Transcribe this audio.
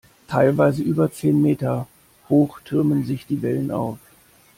Teilweise über zehn Meter hoch türmen sich die Wellen auf.